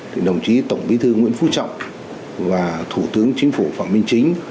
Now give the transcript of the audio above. thì đồng chí tổng bí thư nguyễn phú trọng và thủ tướng chính phủ phạm minh chính